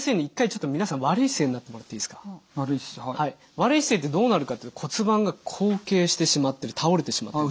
悪い姿勢ってどうなるかって骨盤が後傾してしまってる倒れてしまっている。